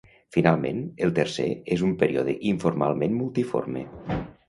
Finalment, el tercer és un període informalment multiforme.